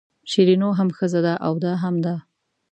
شیرینو هم ښځه ده او دا هم ده.